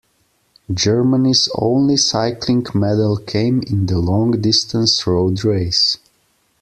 Germany's only cycling medal came in the long-distance road race.